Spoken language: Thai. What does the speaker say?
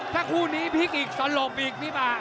ถ้าคู่นี้พีคอีกสอนโหลปีกพี่ป่า